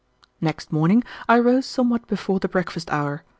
Chapter 16 Next morning I rose somewhat before the breakfast hour.